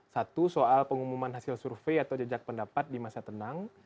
satu soal pengumuman hasil survei atau jejak pendapat di masa tenang